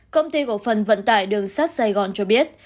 công ty cổ phần vận tải đường sắt sài gòn cho biết